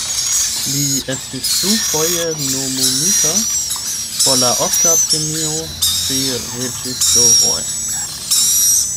Li estis dufoje nomumita por la Oskar-premio pri reĝisoroj.